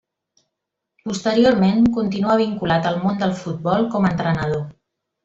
Posteriorment, continua vinculat al món del futbol com a entrenador.